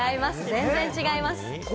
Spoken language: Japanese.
全然違います。